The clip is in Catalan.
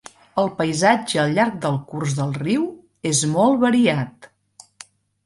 El paisatge al llarg del curs del riu és molt variat.